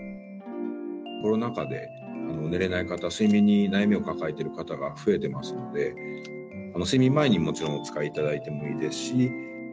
コロナ禍で寝れない方、睡眠に悩みを抱えている方が増えてますので、睡眠前にもちろんお使いいただいてもいいですし。